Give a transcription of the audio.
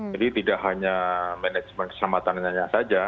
jadi tidak hanya manajemen keselamatan saja